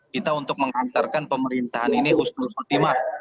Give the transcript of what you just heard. kita untuk mengantarkan pemerintahan ini usul usul timah